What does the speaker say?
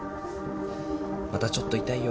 またちょっと痛いよ。